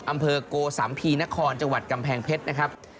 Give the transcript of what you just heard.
อำเภอโกสัมภีนครจังหวัดกำแพงเพชรนะครับ